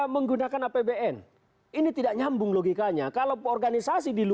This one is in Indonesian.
memang itulah yang terjadi